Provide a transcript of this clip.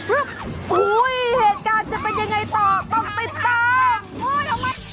โอ้โหเหตุการณ์จะเป็นยังไงต่อต้องติดตาม